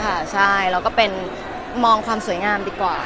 ใช่ก็ว่าเราก็มองความสวยงามดีกว่า